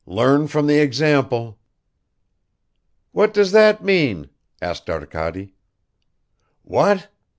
Learn from the example." "What does that mean?" asked Arkady. "What?